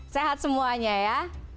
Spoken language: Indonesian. sehat semuanya ya